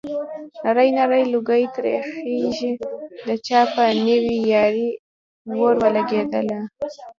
نری نری لوګی ترې خيږي د چا په نوې يارۍ اور ولګېدنه